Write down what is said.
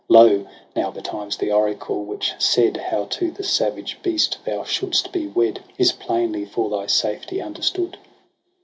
Lo, now betimes the oracle, which said How to the savage beast thou shouldst be wed. Is plainly for thy safety understood.